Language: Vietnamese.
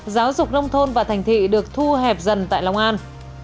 giáo dục nông thôn và thành thị được thu hẹp dần tại long an